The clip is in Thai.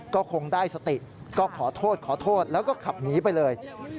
ก็คงได้สติก็ขอโทษขอโทษแล้วก็ขับหนีไปเลย